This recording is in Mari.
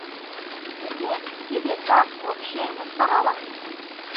— Уке, тиде — так, вообще, мыскаралан!